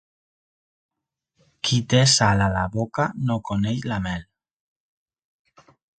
Qui té sal a la boca, no coneix la mel.